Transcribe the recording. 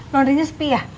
nordinya sepi ya